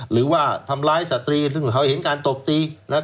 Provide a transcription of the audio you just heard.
หรือว่าทำร้ายสตรีซึ่งเขาเห็นการตบตี